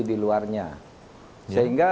di luarnya sehingga